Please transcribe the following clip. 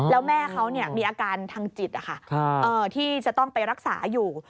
แล้วแม่เขามีอาการทางจิตที่จะต้องไปรักษาอยู่